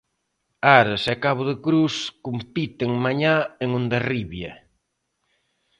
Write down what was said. Ares e Cabo de Cruz compiten mañá en Hondarribia.